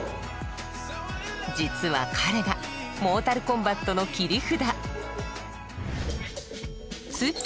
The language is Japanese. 実は彼がモータルコンバットの切り札。